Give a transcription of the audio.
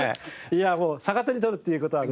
いやもう逆手に取るっていう事は。